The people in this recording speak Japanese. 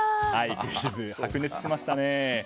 白熱しましたね。